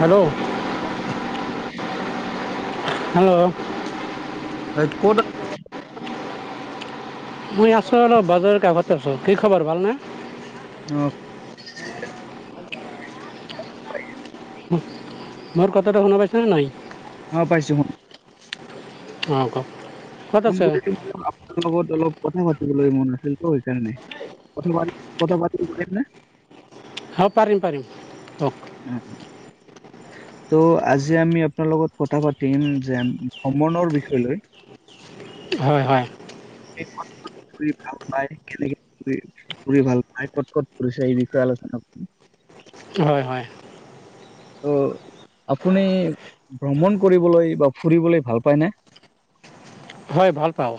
Hello. Hello. হয় ক'ত মই মই আছো বাজাৰতে আগতে কি খবৰ ভালনে? অ', মোৰ কথাটো শুনা পাইছনে নাই? অ', পাইছো অ', কওক। ক'ত ফোন আছে কৰিছো আপোনাল লগত অলপ কথাই পাতি বোলৈ মন আছিল ত সেইকাৰণে ক কথা পাতি পাৰিম নে? হ' পাৰিম পাৰিম অ'। ত আজি আমি আপোনাৰ লগত কথা পাতিম জেম ভ্ৰমণৰ বিশৈলৈ। হয় হয়। ভাল প কেনেক ফুৰি ভাল পায় ক'ত ক'ত ফুৰিছে এই বিষয়ে আলোচনা কৰিম। হয় হয়। ত' আপুনি ভ্ৰমণ কৰিবলৈ বা ফুৰিবলৈ ভাল পায়নে? হয় ভাল পাওঁ।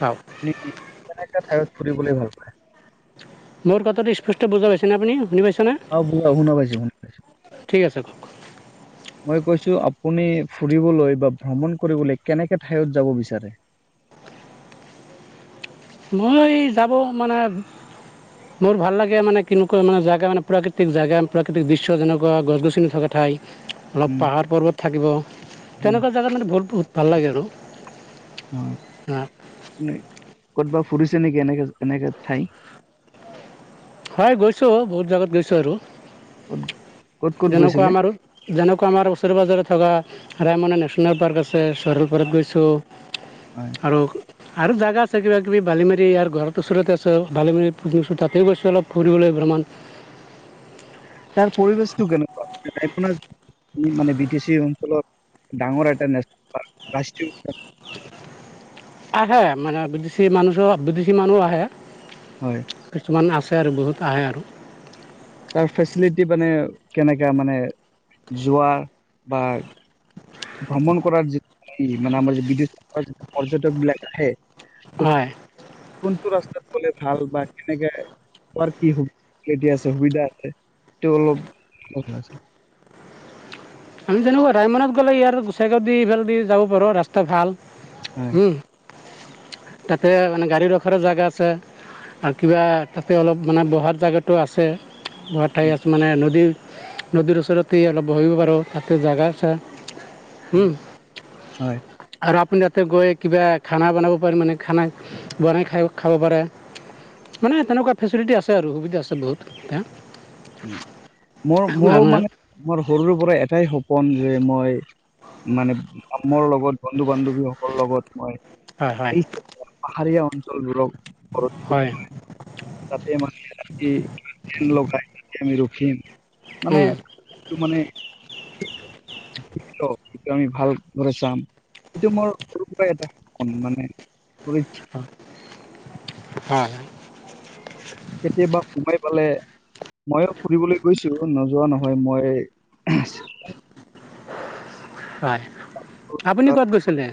পাওঁ নেতি কোন ঠাইত ফুৰিবলৈ ভাল পায়? মোৰ কথাটো স্পষ্ট বুজা পাইছে নে আপুনি শুনা অহ বলা শুনা পাইছো শুনা পাইছো, ঠিক আছে কওক মই কৈছোঁ আপুনি ফুৰিবলৈ বা ভ্ৰমণ কৰিবলৈ কেনেকে ঠায়ত যাব বিচাৰে? মই যাব মানে মোৰ ভাল লাগে মানে কেনেকুৱা মানে জেগা মানে প্ৰাকৃতিক জেগা প্ৰাকৃতিক দৃশ্য যেনেকুৱা গছ গছনি থকা ঠাই। অলপ উম, পাহাৰ পৰ্বত থাকিব উম, তেনেকুৱা জাগাত মানে ভৰপুৰ ভাল লাগে আৰু। হা। অ', ক'ত বা ফুৰিছে নেকি এনেকে-এনেকে ঠাই? হয়, গৈছো বহুত জাগাত গৈছো আৰু। ক'ত ক'ত ক'ত যেনেকুৱা গৈছিলে? আমাৰ, যেনেকুৱা আমাৰ ওচৰে পাজৰে থকা ৰায় মানে নেশ্যনেল পাৰ্ক আছ ছে চৰল পাৰাত গৈছোঁ, হয়, আৰু আৰু জেগা আছে কিবা কিবি বালিমাৰি ইয়াৰ ঘৰত ওচৰতে আছে, বালিমাৰিত [unintelligible] গৈছো তাতে গৈছো অলপ ফুৰিবলৈ ভ্ৰমণ। তাৰ পৰিৱেশটো কেনেকুৱা? [unintelligible] মানে বি টি চি অঞ্চলত, ডাঙৰ এটা নেশ্যনেল পাৰ্ক ৰাষ্ট্ৰীয় উদ্যান আহে, মানে বিদেশী মানুচো মানুহো বিদেশী মানুহ আহে। হয়, কিছুমান আছ ছে আৰু বহুত আহে আৰু। তাৰ ফেচিলিটি মানে কেনেকা, মানে যোৱা বা ভ্ৰমণ কৰাৰ যিটো [unintelligible] মানে আমাৰ যে বিদেশী পৰ্যটক বিলাক আহে। [unintelligible] হয় কোনটো ৰাষ্ গলে ভাল বা কেনেকে [unintelligible] সুবিধা আছে, তো অলপ [unintelligible] আমি যেনেকুৱা ৰাইমনাত গ'লে ইয়াৰ গোচাইগাঁও দি ইফাল দি যাব পাৰ ৰাস্তা ভাল। হয়, উম। তাতে মানে গাড়ী ৰখাৰো জেগা আছে, আৰু কিবা তাতে অলপ মানে বহাৰ জেগাটো আছে। ঘৰত ঠাই উম, আছে মানে নদীৰ নদীৰ ওচৰতেই অলপ বহিব পাৰোঁ। তাতে জেগা আছে। হয়। আৰু আপুনি তাতে গৈ কিবা খানা বনাব পাৰে মানে খানা, বনাই খাই-খাব পাৰে, মানে তেনেকুৱা ফেচিলিটি আছে আৰু সুবিধা আছে বহুত এতিয়া। মোৰ মোৰো মানে, মোৰ সৰুৰে পৰা এটাই সপ শুন যে মই, মানে মোৰ লগত বন্ধু বান্ধৱীসকল লগত মই হয় হয় সেই যে পাহাৰীয়া চল ব্ৰ', ঘৰত হয় গৈ [unintelligible] তাত মানে ৰাতি কিবাকে লগাই ৰখিম। মানে, তো মানে। সেইটো আমি ভালদৰে চাম, এইটো মোৰ সৰুৰ পৰাই এটা সন্মানে। হা - হা। কেতিয়াবা সোমাই পালে, ময়ো ফুৰিবলৈ গৈছো নোযোৱা নহয়। মই [inaudible] হয় আপুনি ক'ত গৈছিলে?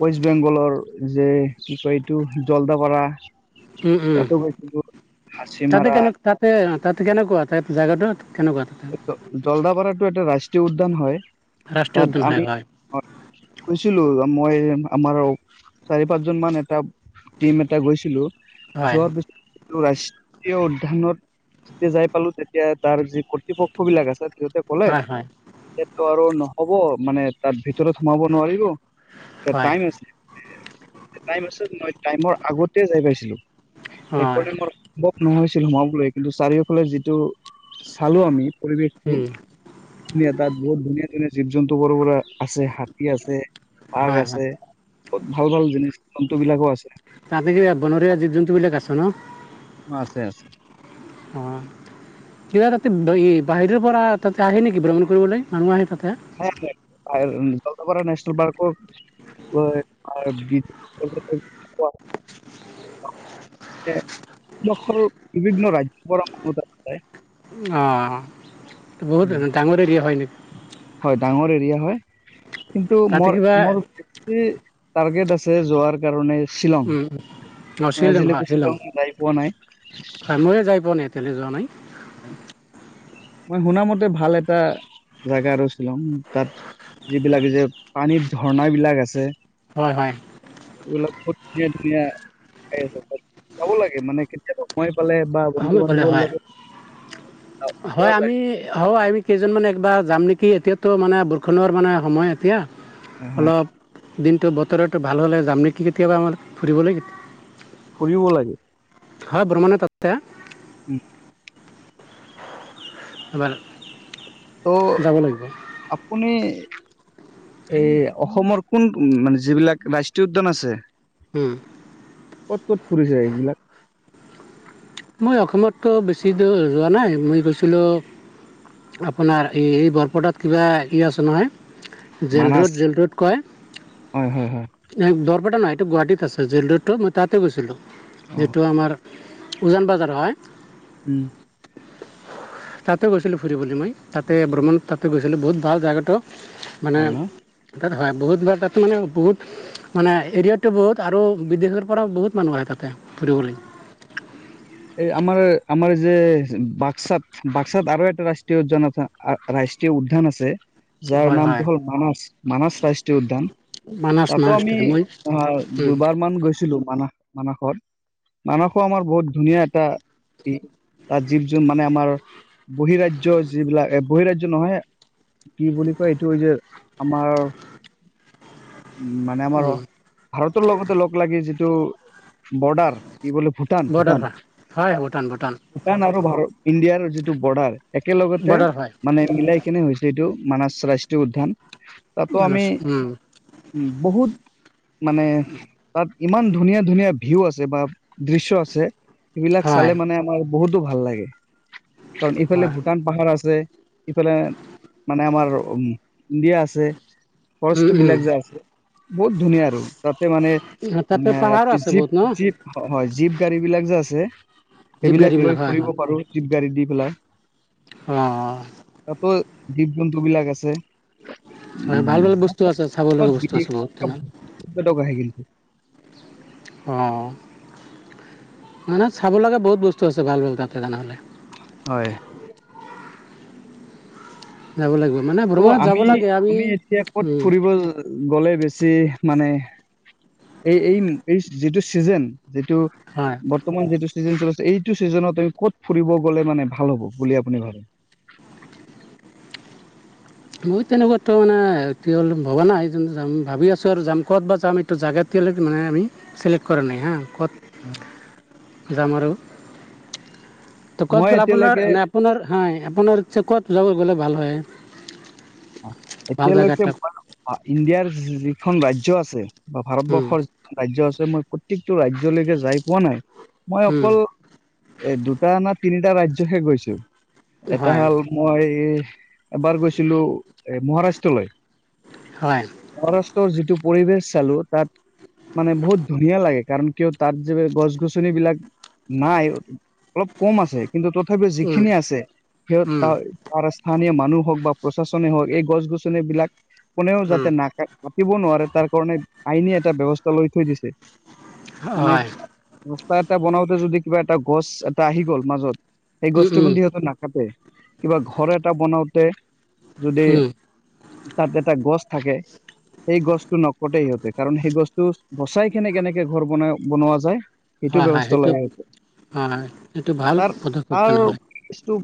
ৱেষ্ট বেংগলৰ যে কি কয় এইটো জলদাপাৰা। উম উম, তাতো গৈছিলো তাতে হাচিমাৰা কন তাতে তাত কেনেকুৱা তাইপ জেগাটোত? জলদাপাৰা টো এটা ৰাষ্ট উদ্যান হয়। ৰাষ্ট্ৰীয় তাত উদ্যান হয় আমি হয় কৈছিলোঁ মই আমাৰ চাৰি পাঁচ জন মান এটা টিম এটা গৈছিলোঁ। হয়, যোৱাৰ পিছ ৰাষ্ট্ৰীয় উদ্যানত যেতিয়া যাই পালো তেতিয়া তাৰ যি পক্ষ বিলাক আছেত সিহতে ক'লে হয়, হয়, সটো আৰু নহ হ'ব মানে তাৰ ভিতৰত সোমাব নোৱাৰিব। ইতা হয়, টাইম আছে টাইম আছে মই টাইমৰ আগতে যাই পাইছিলো। হয়, সেইকাৰনে ম'ৰ [unintelligible] কিন্তু চাৰিওফালে যিটো পালোঁ আমি পৰিৱেশটো, উম, ধুনীয়া তাত বহুত ধুনীয়া এনে জীব-জন্তু [unintelligible] আছে হাতী আছে, বাঘ হয়, হয়। আছে। বহুত ভাল ভাল জিনিছ জন্তু বিলাকো আছে তাতে কি ইয়াত বনৰীয়া জীব্-জন্তু বিলাক আছে ন? আছে আছে। অ, কিবা তাতে এই বাহিৰৰ পৰা তাতে আহে নিকি ভ্ৰমণ কৰিবলে? মানুহ আহে তাতে? [unintelligible] [unintelligible] অঁ, বহুত ডাঙৰ এৰিয়া হয় নেকি? হয় ডাঙৰ এৰিয়া হয় কিন্তু তাতে মৰ কিবা মৰ বেছি টাৰ্গেট আছি যোৱাৰ কাৰণে শ্বিলং উম অ মই শ্বিলং হয় আজিলৈকে শ্বিলং যাই পোৱা নাই হয় মই যাই পোৱা নাই এতিয়ালৈ যোৱা নাই মই শুনা মতে ভাল এটা জোগা ৰৈছিলোঙ তাত যিবিলাক যে পানীৰ ঝৰ্ণ বিলাক আছে হয় হয় বহুত ধুনীয়া ধুনীয়া ঠাই আছে তাত যাব লাগে মানে কেতিয়াবা মই গলে বা বন্ধু হয় বোলে বান্ধৱীৰ হয়। লগত পোৱা হয় আমি যায় হয় আমি কেইজন মানে একবাৰ যাম নেকি এতিয়াতো মানে বৰষুণৰ মানে সময় এতিয়া হয় হয় অলপ দিনটো বতটো ভাল হ'লে যাম নেকি কেতিয়াবা আমাৰ ফুৰিবলৈ ফুৰিব লাগে হয় ব্ৰমণে তাতে উম [inaudible] এবাৰ অ' যাব লাগিব আপুনি এই অসমৰ কোন মানে যিবিলাক ৰাষ্ট্ৰীয় উদ্যান আছে। উম। ক'ত ক'ত ফুৰিছে এইবিলাক? মই অসমতটো বেছি দূৰ যোৱা নাই মই গৈছিলো আপোনাৰ এই এই বৰপটাত কিবা ই আছে নহয়। Jail Manas road jail road কয় হয় হয় হয় এ বৰপেটা নহ এইটো গুৱাহাটীত তাৰপিছত জেল'ৰোড মই ততে গৈছিলোঁ। অ' যিটো আমাৰ উজান বাজাৰ হয়। উ'ম। তাতে গৈছিলো ফুৰিবলৈ মই তাতে ভ্ৰমণ তাতে গৈছিলো। বহুত ভাল জাগাটো মানে। তাত হয় বহুতবাৰ তাত মানে বহুত মানে এৰিয়াটো বহুত আৰু বিদেশৰ পৰাও বহুত মানুহ আহে তাতে ফুৰিবলৈ। এই আমাৰ আমাৰ যে বাক্সাত- বাক্সাত আৰু এটা ৰাষ্ট্ৰীয় জন ৰাষ্ট্ৰীয় উদ্যান আছে। যাৰ হয় নামটো হয় হ'ল মানাস -মানাস ৰাষ্ট্ৰীয় উদ্যান মানাছ তাতো মাছ আমি মই অ'হ উম দুবাৰ মান গৈছিলো। [inaudible] মানস, মানসত, মানসো আমাৰ বহুত ধুনীয়া এটা ই জীৱ জোন মানে আমাৰ বহিঃৰাজ্য যিবিলাক ৰাজ্য নহয় কি বুলি কয়? এইটো যে আমাৰ উ'ম মানে আমাৰ উম ভাৰতৰ লগতে লগ লাগি যি তো। বৰ্ডাৰ কি? বুলিলে ভূটান- বৰ্ডাৰ ভূটান। হয় হয় ভূটান আৰু ভাৰত ইণ্ডিয়া যিটো বৰ্ডাৰ একেলগতে বৰ্ডাৰ হয় মানে মিলাই কেনে হৈছে। এইটো মানাস ৰাষ্ট্ৰীয় উদ্যান। তাতো মানস আমি উম উ বহুত মানে তাত ইমান ধুনীয়া ধুনীয়া ভিউ আছে বা দৃশ্য আছে। সেইবিলাক হয় চালে মানে আমাৰ বহুতো ভাল লাগে। কাৰণ ইফালে হয় ভূটান পাহাৰ আছে। ইফালে মানে আমাৰ উ'ম ইণ্ডিয়া আছে। ফৰেষ্ট উম উম বিলাক যে আছে। বহুত ধুনীয়া আৰু তাত। মানে তাতে আমৰ পাহাৰো আছে জীপ, বহুত ন জীপ হয় জীপ গাড়ী বিলাক যে আছে। যে। জীপ সেইবিলাক গাড়ীবিলাক লৈ হয় ফুৰিব পাৰো। গাড়ী দি পেলাই অ'। জীৱ-জন্তু বিলাক আছে। হয় ভাল ভাল বস্তু আছে চাব উ'ম লগা বস্তু বিদেশ আছে বহুত তেনেহ'লে পৰ্যটক আহে। কিন্তু। অ' মানে চাব লগা বহুত বস্তু আছে। ভাল, ভাল তাতে তেনেহ'লে। হয়। যাব লাগিব। মানে টো ভ্ৰমণত যাব আমি লাগে আমি এতিয়া ক'ত উম ফুৰিব গলে বেছি মানে এই এই এই যিটো চিজন যিটো হয় বৰ্তমান যিটো চিজন চলিছে এইটো চিজনত আমি কত ফুৰিব গলে মানে ভাল হ'ব বুলি আপুনি ভাবে? মই তেনেকুৱাতো মানে ভবা নাই ভাবি আছো আৰু যাম ক'ত বা যাম এইটো জাগা এতিয়ালৈ চেলেক্ট কৰ নাই হা কত যাম আৰু। টো ক'ত মই গলে আপোনাৰ এতিয়ালৈকে মানে আপোনাৰ আপোনৰ ইচ্ছা কত যাব গলে ভাল হয়? ভাল জাগা এতিয়ালৈকে এটা ইণ্ডিয়াৰ যি এখন ৰাজ্য আছে। বা উম, ভাৰতবৰ্ষৰ ৰাজ্য আছে মই প্ৰত্যেকটো ৰাজ্যলৈকে যাই পোৱা নাই? মই উম, অকল এ দুটা না তিনিটা ৰাজ্য হে গৈছো। এটা হয় হল মই এবাৰ গৈছিলো। এ মহাৰাষ্ট্ৰ লৈ হয় মহাৰাষ্ট্ৰৰ যিটো পৰিবেশ চালো তাত মানে বহুত ধুনীয়া লাগে কাৰণ কিয় তাত যে গছ গছনি বিলাক নাই অলপ কম আছে কিন্তু তথাপিও উম, যিখিনি আছে সিহত উম, [unintelligible] স্থানীয় মানুহ হওক বা প্ৰচা ষনে হওক এই গছ গছনি বিলাক কোনেও উম, যাতে নাক কাটিব নোৱাৰে তাৰ কাৰণে আইনে এটা ব্যৱস্থা লৈ থৈ দিছে মানে হয় ৰাস্তা এটা বনাও যদি কিবা এটা গছ এটা আহি গ'ল মাজত সেই উম, গছতো উম, কিন্তু সিহঁতে নাকাটে কিবা ঘৰ এটা বনাওঁ তে যদি উম, তাত এডাল গছ আছে সেই গছডাল নকটে সিহঁতে কাৰণ সেই গছটো বচাই কেনে কেনেকে ঘৰ বনাই বনোৱা যায় সেইটো হয় হয় ব্যৱস্থা সেইটো লগা সৈতে, হয় সেইটো ভাল তাৰ পদক্ষেপ তাৰ তেনেহ'লে ইছটো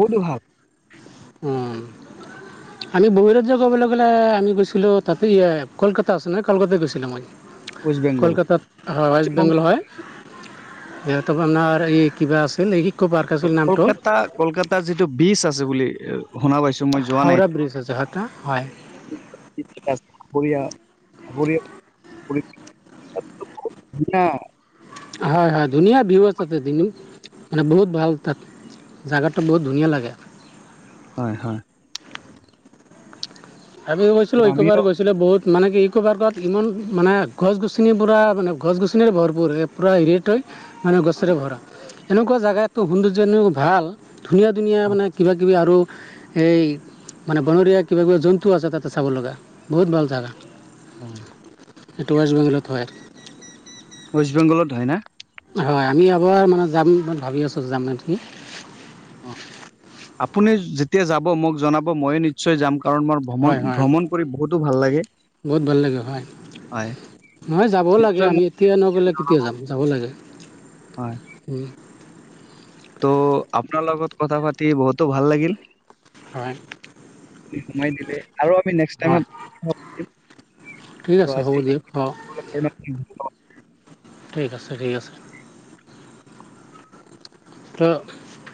বহুতো ভাল। উ আমি বহি ৰাজ্য ক'বলে গ'লে আমি গৈছিলো তাতেই কলকাতা আছে নহয় কলকাতা গৈছিলো মই। ৱেষ্ট বেংগল কলকাতাত হয় ৱেষ্ট পশ্চিমবংগ বেংগল হয়। ইহঁতবা অনাৰ এই কিবা আছে নেকি? কলকাতা কলকাতাৰ যিটো বীচ আছে বুলি শুনা পাইছো মই যোৱা নাই হাওৰা ব্ৰিজ আছে এটা হয় [unintelligible] [unintelligible] হয় হয় ধুনীয়া ভিউ আছে তাতে দিনো মানে বহুত ভাল তাত জোগাটো বহুত ধুনীয়া লাগে। হয় হয়। আমি গৈছিলো ত' একেবাৰ আমিও গৈছিলো বহুত। মানে কি ইকো পাৰ্কত ইমান মানে গছ-গছনিৰ পূৰা মানে গছ-গছনিৰে ভৰপূৰ পূৰা এৰিয়াটোই মানে গছৰে ভৰা এনেকুৱা জেগা সৌন্দৰ্য এনো ভাল। ধুনীয়া ধুনীয়া মানে কিবা কিবি আৰু। এই মানে বনৰীয়া কিবা কিবা যন টো আছে তাতে চাব লগা, বহুত ভাল জাগা। অ এইটো ৱেষ্ট বেংগলত হয়। ৱেষ্ট বেংগলত হয় নে? হয় আমি এবাৰ মানে যাম বুলি ভাবি আছোঁ যাম নেকি। অ আপুনি যেতিয়া যাব মোক জনাব ময়ে নিশ্চয় যাম। কাৰণ মোৰ ভ্ৰমণ হয়-হয় ভ্ৰমণ কৰি বহুতো ভাল লাগে বহুত ভাল লাগে হয় হয় নহয় যাবও লাগে নিশ্চয় আমি মোক এতিয়া নগ'লে কেতিয়া যাম যাব লাগে। হয় ত' আপোনাৰ লগত কথা পাতি বহুতো ভাল লাগিল। হয়। [unintelligible] সোমাই দিলে আৰু আমি নেক্সট হয় টাইমত ঠিক আছে হ'ব দিয়া হ ঠিক আছে-ঠিক আছে। ত'